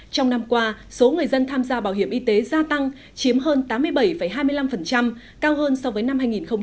trong năm qua số người dân tham gia bảo hiểm y tế gia tăng chiếm hơn tám mươi bảy hai mươi năm cao hơn so với năm hai nghìn một mươi tám